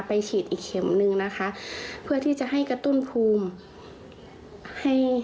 ฉีดอีกเข็มนึงนะคะเพื่อที่จะให้กระตุ้นภูมิให้